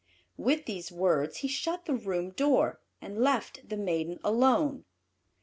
With these words he shut the room door, and left the maiden alone.